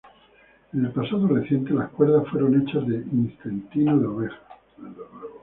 En el pasado reciente, las cuerdas fueron hechas de intestino de oveja.